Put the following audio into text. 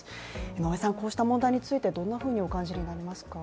井上さん、こうした問題についてどんなふうにお感じになりますか